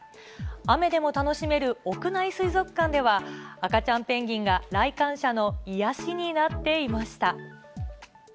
雨でも楽しめる屋内水族館では、赤ちゃんペンギンが来館者の癒やしになっていました。